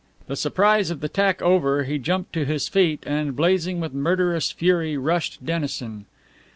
The surprise of the attack over, he jumped to his feet, and blazing with murderous fury rushed Dennison.